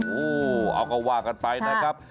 โอ้โหเอาก็ว่ากันไปนะครับ